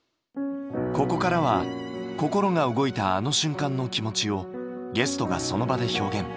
ここからは心が動いたあの瞬間の気持ちをゲストがその場で表現。